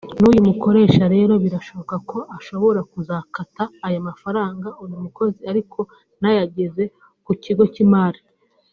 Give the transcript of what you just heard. n’uyu mukoresha rero birashoboka ko ashobora kuzakata aya amafaranga uyu mukozi ariko ntayageze ku kigo cy’Imari